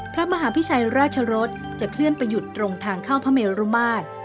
พระมหาพิชัยราชรสจะเคลื่อนไปหยุดตรงทางเข้าพระเมรุมาตร